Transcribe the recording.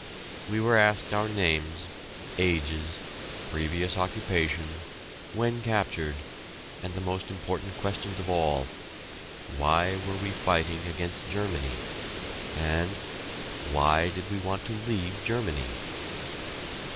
We were asked our names, ages, previous occupation, when captured, and the most important questions of all, "Why were we fighting against Germany?" and, "Why did we want to leave Germany?"